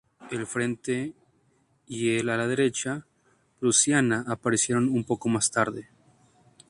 El frente y el ala derecha prusiana aparecieron un poco más tarde.